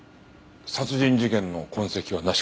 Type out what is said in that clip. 殺人事件の痕跡はなしか？